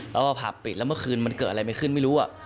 แล้วก็ผับปิดแล้วเมื่อคืนมันเกิดอะไรไม่ขึ้นไม่รู้